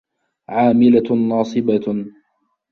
عامِلَةٌ ناصِبَةٌ